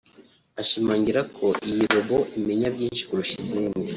ashimangira ko iyi robo imenya byinshi kurusha izindi